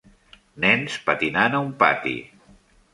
Nens patinant a un pati.